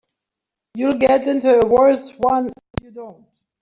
You'll get into a worse one if you don't.